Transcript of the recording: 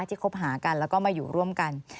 คบหากันแล้วก็มาอยู่ร่วมกัน